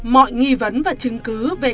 mọi nghi vấn và chứng cứ về